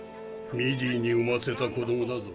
ミディーに産ませた子供だぞ。